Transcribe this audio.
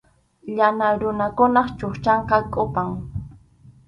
Yana runakunap chukchanqa kʼupam.